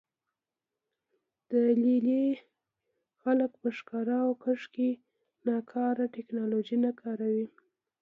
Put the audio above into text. د لې لې خلک په ښکار او کښت کې ناکاره ټکنالوژي نه کاروي